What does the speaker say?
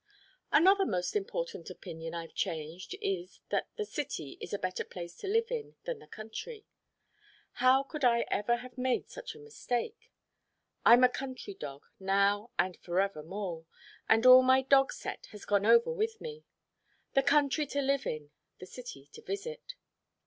Another most important opinion I've changed, is that the city is a better place to live in than the country. How could I ever have made such a mistake? I'm a country dog, now and forevermore, and all my dog set has gone over with me. The country to live in the city to visit.